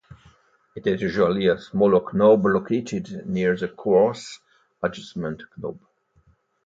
It is usually a smaller knob located near the coarse adjustment knob.